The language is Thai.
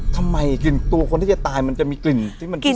กลิ่นตัวคนที่จะตายมันจะมีกลิ่นที่มันกิน